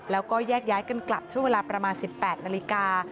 แล้วก็แยกย้ายกันกลับช่วงเวลาประมาณ๑๘นาฬิกา